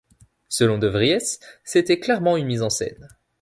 Selon De Vries, c'était clairement une mise en scène.